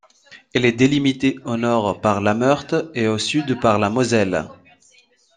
Elle est délimitée au nord par la Meurthe et au sud par la Moselle.